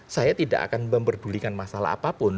saya tidak akan memperdulikan masalah apapun